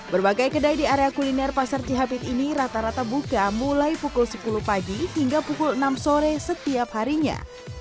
berbagai kedai di area kuliner pasar cihapit ini rata rata buka mulai pukul sepuluh pagi hingga pukul enam sore setiap harinya